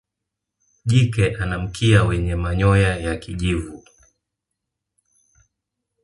jike ana mkia wenye manyoya ya kijivu